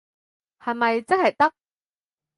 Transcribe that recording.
係咪即係得？